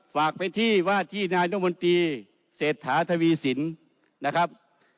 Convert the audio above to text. ฝากไปที่ว่าที่นายนมนตรีเศรษฐาทวีสินนะครับ